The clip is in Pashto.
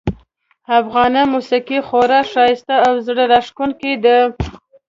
افغانه موسیقي خورا ښایسته او زړه راښکونکې ده